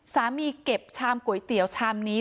เก็บชามก๋วยเตี๋ยวชามนี้